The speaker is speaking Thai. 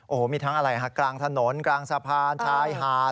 โอ้โหมีทั้งอะไรฮะกลางถนนกลางสะพานชายหาด